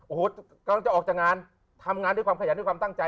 โอ้โหกำลังจะออกจากงานทำงานด้วยความขยันด้วยความตั้งใจ